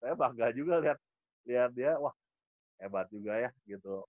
saya bangga juga lihat dia wah hebat juga ya gitu